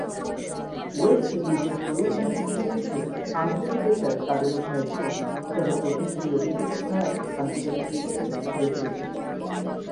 West ইন্ডিজের তরুণ ব্যাটসম্যানদের মধ্যে আন্দ্রে ফ্লেচার তাদের মধ্যে একজন, যাদের প্রথম-শ্রেণীর অভিজ্ঞতা ছাড়াই আন্তর্জাতিক ক্রিকেটে ছুঁড়ে ফেলেছে।